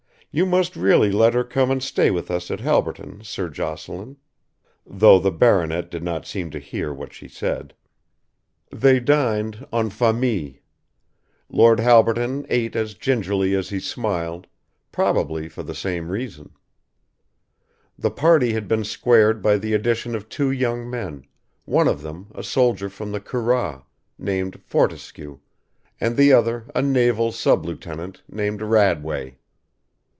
You must really let her come and stay with us at Halberton, Sir Jocelyn," though the baronet did not seem to hear what she said. They dined en famille. Lord Halberton ate as gingerly as he smiled, probably for the same reason. The party had been squared by the addition of two young men, one of them a soldier from the Curragh, named Fortescue, and the other a naval sub lieutenant, named Radway.